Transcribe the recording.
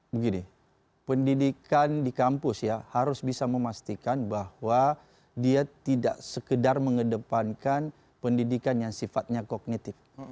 begini pendidikan di kampus ya harus bisa memastikan bahwa dia tidak sekedar mengedepankan pendidikan yang sifatnya kognitif